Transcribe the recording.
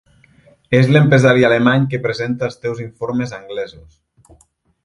És l"empresari alemany que presenta els teus informes anglesos.